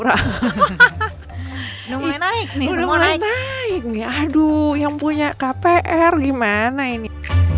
aduh yang punya kpr gimana ini